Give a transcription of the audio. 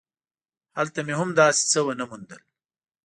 هلته مې هم داسې څه ونه موندل.